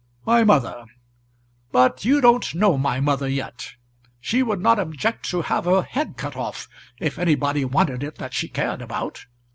"My mother! But you don't know my mother yet. She would not object to have her head cut off if anybody wanted it that she cared about.